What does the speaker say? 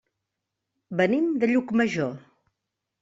Venim de Llucmajor.